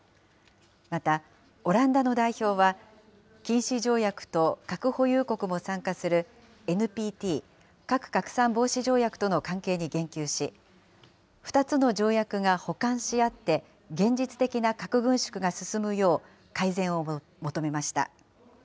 また、オランダの代表は、禁止条約と核保有国も参加する、ＮＰＴ・核拡散防止条約との関係に言及し、２つの条約が補完し合って、現実的な核軍縮が進むよう、改善を求めました。